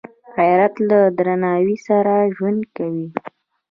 غیرت له درناوي سره ژوند کوي